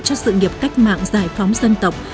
cho sự nghiệp cách mạng giải phóng dân tộc